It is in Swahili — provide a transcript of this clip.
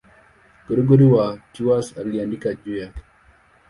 Gregori wa Tours aliandika juu yake.